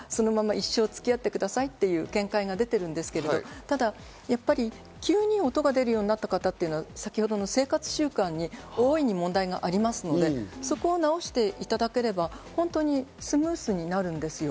痛みがなければ、そのまま一生つき合ってくださいという見解が出ているんですけど、ただやっぱり急に音が出るようになった方というのは先ほどの生活習慣に大いに問題がありますので、そこを直していただければ本当にスムーズになるんですよ。